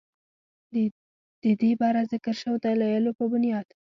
ددې بره ذکر شوو دلايلو پۀ بنياد